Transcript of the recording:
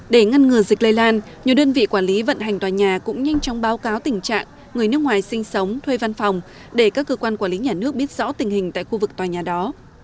để ngăn ngừa dịch lây lan nhiều đơn vị quản lý vận hành tòa nhà cũng nhanh chóng báo cáo tình trạng người nước ngoài sinh sống thuê văn phòng để các cơ quan quản lý nhà nước biết rõ tình hình tại khu vực tòa nhà đó